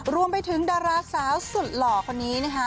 รวมไปถึงดาราสาวสุดหล่อคนนี้นะคะ